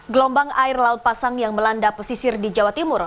gelombang air laut pasang yang melanda pesisir di jawa timur